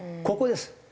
ここです。